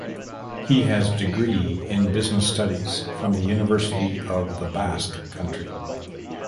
He has degree in business studies from the University of the Basque Country.